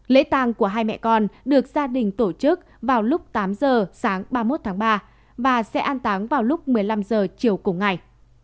lễ tàng của hai mẹ con được gia đình tổ chức vào lúc tám giờ sáng ba mươi một tháng ba và sẽ an táng vào lúc một mươi năm h chiều cùng ngày